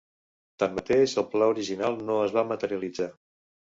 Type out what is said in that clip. Tanmateix, el pla original no es va materialitzar.